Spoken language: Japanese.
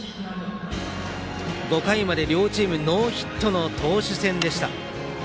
５回まで両チームノーヒットの投手戦でした。